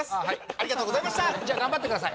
ありがとうございましたじゃ頑張ってください